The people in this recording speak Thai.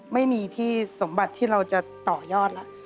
ไม่มีที่สมบัติที่เราจะต่อยอดแล้ว